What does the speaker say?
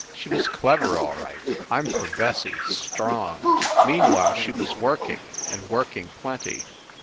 She was clever, all right. I m for Bessie, strong ! Meanwhile she was working, and working plenty.